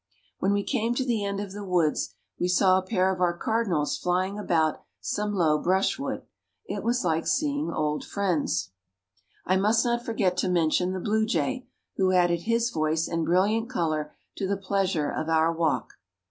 When we came to the end of the woods we saw a pair of our cardinals flying about some low brushwood. It was like seeing old friends. I must not forget to mention the blue jay, who added his voice and brilliant color to the pleasure of our walk.